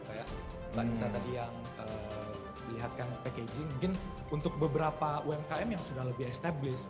kayak kita tadi yang melihatkan packaging mungkin untuk beberapa umkm yang sudah lebih established